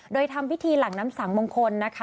โดยทำพิธีหลังน้ำสังมงคลนะคะ